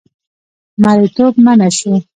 مریتوب منع شو.